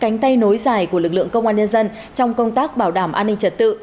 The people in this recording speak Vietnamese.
cánh tay nối dài của lực lượng công an nhân dân trong công tác bảo đảm an ninh trật tự